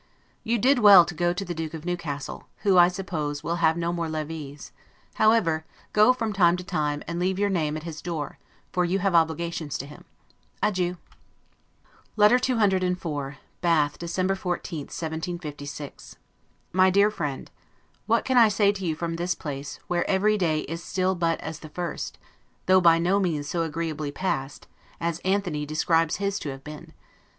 You did well to go to the Duke of Newcastle, who, I suppose, will have no more levees; however, go from time to time, and leave your name at his door, for you have obligations to him. Adieu. LETTER CCIV BATH, December 14, 1756. MY DEAR FRIEND: What can I say to you from this place, where EVERY DAY IS STILL BUT AS THE FIRST, though by no means so agreeably passed, as Anthony describes his to have been?